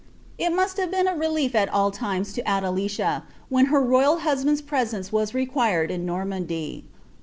It must have been a relief at all times to Adelicia when her royal husband's presence was required in Normandy.